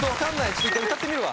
１回歌ってみるわ。